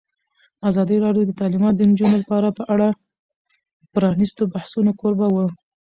ازادي راډیو د تعلیمات د نجونو لپاره په اړه د پرانیستو بحثونو کوربه وه.